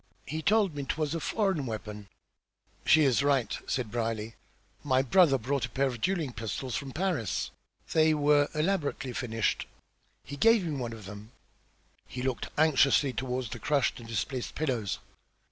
He told me 'twas a foreign weapon." "She is right," said Brierly. "My brother brought a pair of duelling pistols from Paris. They were elaborately finished. He gave me one of them." He looked anxiously toward the crushed and displaced pillows.